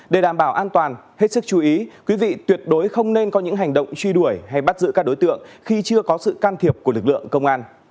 để đảm bảo an toàn hết sức chú ý quý vị tuyệt đối không nên có những hành động truy đuổi hay bắt giữ các đối tượng khi chưa có sự can thiệp của lực lượng công an